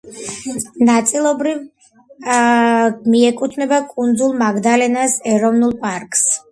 ნაწილობრივ მიეკუთვნება კუნძულ მაგდალენას ეროვნულ პარკს.